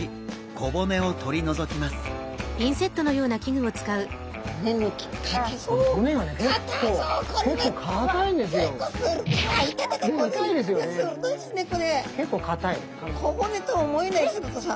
小骨とは思えない鋭さ。